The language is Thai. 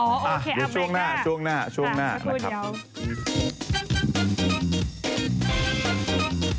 อ๋อโอเคเอาไว้ค่ะช่วงหน้านะครับ